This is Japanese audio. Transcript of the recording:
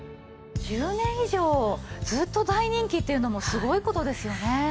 １０年以上ずっと大人気っていうのもすごい事ですよね。